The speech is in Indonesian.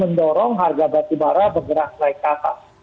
mendorong harga batu bara bergerak naik ke atas